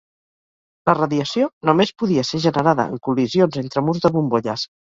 La radiació només podia ser generada en col·lisions entre murs de bombolles.